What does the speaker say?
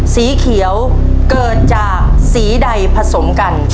สีเขียวเกิดจากสีใดผสมกัน